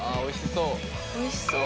あおいしそう！